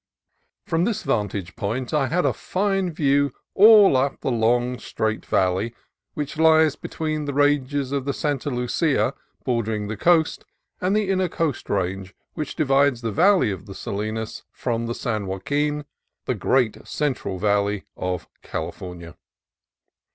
From this vantage point I had a fine view all up the long, straight val ley which lies between the range of the Santa Lucia, bordering the coast, and the inner Coast Range which divides the valley of the Salinas from the San Joaquin, the great central valley of California.